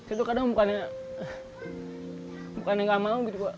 itu kadang bukannya nggak mau gitu